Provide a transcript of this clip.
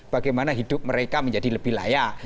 bagaimana hidup mereka menjadi lebih layak